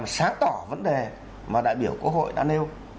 sáng tỏ vấn đề mà đại biểu quốc hội đã nêu